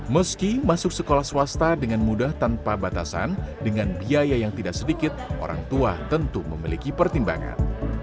meski masuk sekolah swasta dengan mudah tanpa batasan dengan biaya yang tidak sedikit orang tua tentu memiliki pertimbangan